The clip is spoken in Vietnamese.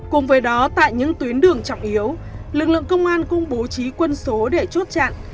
cùng với đó tại những tuyến đường trọng yếu lực lượng công an cũng bố trí quân số để chốt chặn